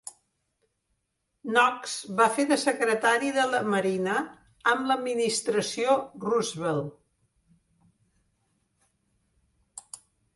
Knox va fer de Secretari de la Marina amb l'administració Roosevelt.